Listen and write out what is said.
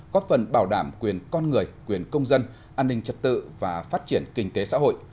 góp phần bảo đảm quyền con người quyền công dân an ninh trật tự và phát triển kinh tế xã hội